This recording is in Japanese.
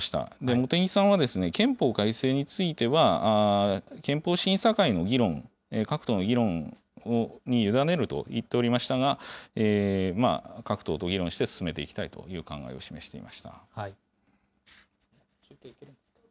茂木さんはですね、憲法改正については憲法審査会の議論、各党の議論に委ねると言っておりましたが、各党と議論して進めていきたいという考えを示していました。